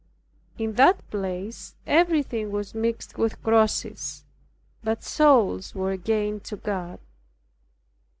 In that place everything was mixed with crosses, but souls were gained to God.